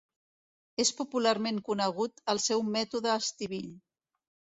És popularment conegut el seu Mètode Estivill.